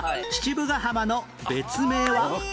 父母ヶ浜の別名は？